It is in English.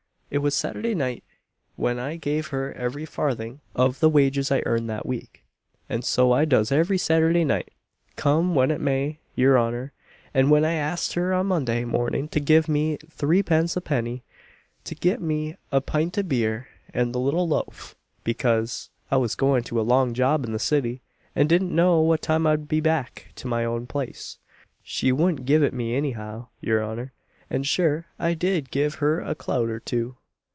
It was Saturday night when I gave her every farthing of the wages I earned that week and so I does every Saturday night, come when it may, your honour and when I ax'd her on Monday morning to give me threepence ha'penny, to get me a pint of beer and the little loaf, bekase I was going to a long job in the city, and didn't know what time I'd be back to my oun place, she wouldn't give it me any how, your honour; and sure I did give her a clout or two."